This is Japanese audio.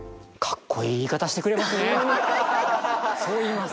そう言います。